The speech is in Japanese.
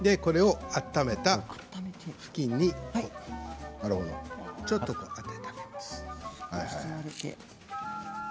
温めた布巾をちょっと当ててあげます。